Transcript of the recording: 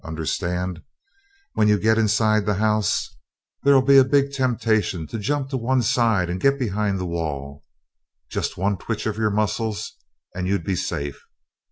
Understand, when you get inside the house, there'll be a big temptation to jump to one side and get behind the wall just one twitch of your muscles, and you'd be safe.